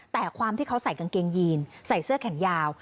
แต่ความที่เขาใส่กางเกงยีนใส่เสื้อแขนยาว